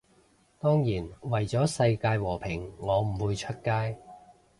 當然，為咗世界和平我唔會出街